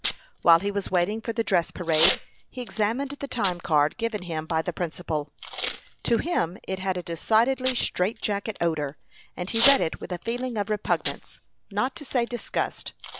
While he was waiting for the dress parade, he examined the time card given him by the principal. To him it had a decidedly strait jacket odor, and he read it with a feeling of repugnance, not to say disgust.